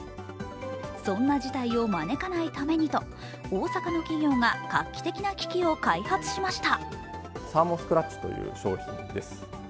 そんな事態を招かないためにと大阪の企業が、画期的な機器を開発しました。